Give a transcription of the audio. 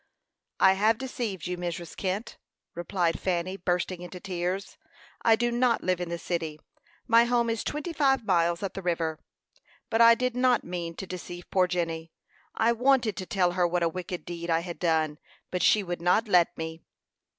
"I have deceived you, Mrs. Kent," replied Fanny, bursting into tears. "I do not live in the city; my home is twenty five miles up the river. But I did not mean to deceive poor Jenny. I wanted to tell her what a wicked deed I had done, but she would not let me."